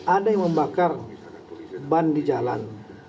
ada yang membakar ban di jalan